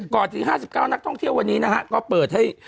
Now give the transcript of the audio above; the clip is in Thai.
ก่อนถึง๕๙นักท่องเที่ยววันนี้นะฮะก็เปิดให้